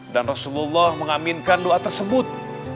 dan rasulullah mengaminkan doa tersebut